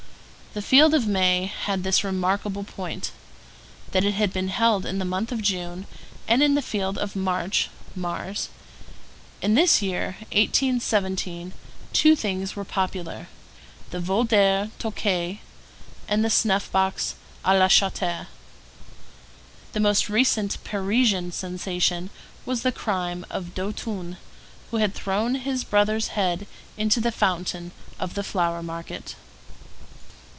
The Field of May had this remarkable point: that it had been held in the month of June and in the Field of March (Mars). In this year, 1817, two things were popular: the Voltaire Touquet and the snuff box à la Charter. The most recent Parisian sensation was the crime of Dautun, who had thrown his brother's head into the fountain of the Flower Market.